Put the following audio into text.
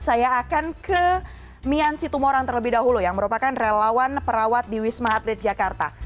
saya akan ke mian situmorang terlebih dahulu yang merupakan relawan perawat di wisma atlet jakarta